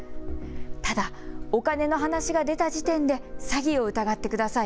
ただ、お金の話が出た時点で詐欺を疑ってください。